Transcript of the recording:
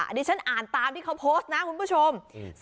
ดิฉันอ่านตามที่เขาโพสต์นะคุณผู้ชม